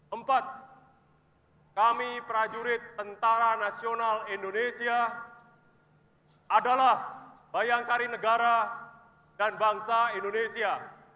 empat kami prajurit tentara nasional indonesia adalah bayangkari negara dan bangsa indonesia